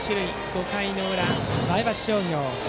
５回の裏、前橋商業の攻撃。